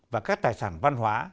và các tài sản văn hóa